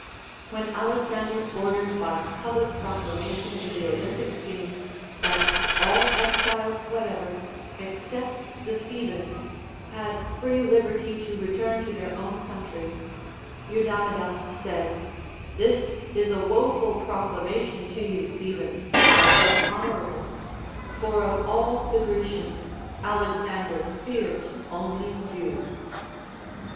When Alexander ordered by public proclamation in the Olympic games, that all exiles whatever, except the Thebans, had free liberty to return to their own country, Eudamidas said : This is a woful proclamation to you Thebans, but yet hon orable ; for of all the Grecians Alexander fears only you.